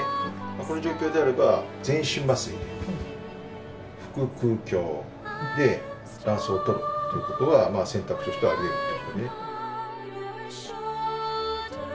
この状況であれば全身麻酔で腹くう鏡で卵巣を取るということは選択肢としてはありえるということで。